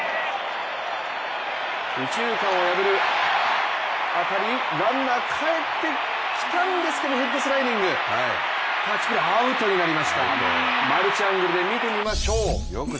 右中間を破る当たりランナー帰ってきたんですけどヘッドスライディング、タッチプレー、アウトになりましたよく見てくださいね。